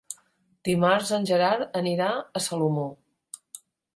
Dimarts en Gerard anirà a Salomó.